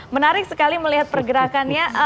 menarik sekali melihat pergerakannya